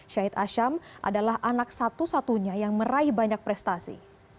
syahid asyam adalah anak satu satunya yang meraih banyak prestasi